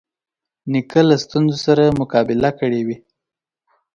نیکه له ستونزو سره مقابله کړې وي.